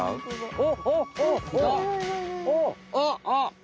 あっ！